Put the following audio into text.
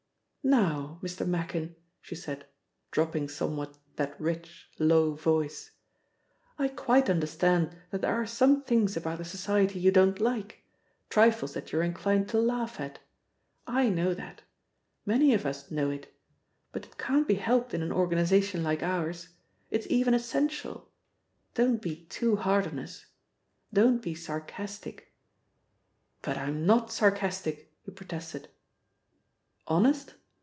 "Now, Mr. Machin," she said, dropping somewhat that rich, low voice, "I quite understand that there are some things about the society you don't like, trifles that you're inclined to laugh at. I know that. Many of us know it. But it can't be helped in an organisation like ours. It's even essential. Don't be too hard on us. Don't be sarcastic." "But I'm not sarcastic!" he protested. "Honest?"